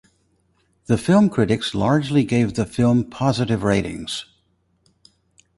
The film critics largely gave the film positive ratings.